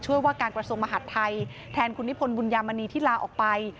ว่าการกระทรวงมหาดไทยแทนคุณนิพนธบุญยามณีที่ลาออกไป